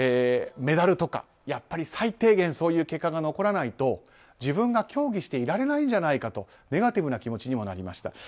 メダルとか、やっぱり最低限そういう結果が残らないと自分が競技していられないじゃないかとネガティブな気持ちにもなりました。